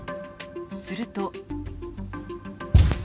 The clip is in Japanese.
すると。